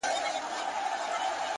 نیک چلند تل ښه اغېز پرېږدي.!